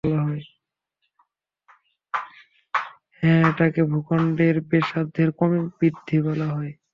হ্যাঁ, এটাকে ভূখণ্ডের ব্যাসার্ধের ক্রমিক বৃদ্ধি বলা হয়।